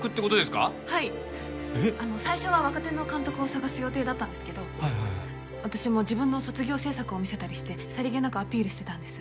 最初は若手の監督を探す予定だったんですけど私も自分の卒業制作を見せたりしてさりげなくアピールしてたんです。